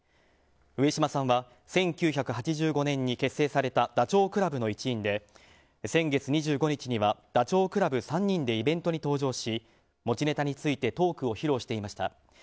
上島さんは１９８５年に結成されたダチョウ倶楽部の一員で先月２５日にはダチョウ倶楽部３人でイベントに登場し持ちネタについてトークを披露していました。